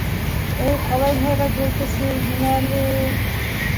- Эй, ҡалай һәйбәт юл төшө, һин әле.